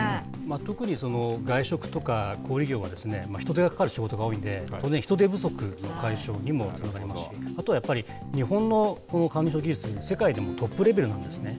特に外食とか小売り業は、人手がかかる仕事が多いんで、当然、人手不足の解消にもつながりますし、あとはやっぱり、日本の顔認証技術、世界でもトップレベルなんですね。